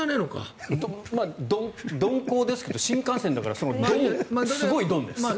鈍行ですけど新幹線だからすごい鈍です。